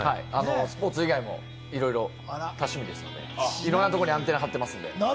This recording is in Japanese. スポーツ以外もいろいろ多趣味ですので、いろんなところにアンテナを張っています。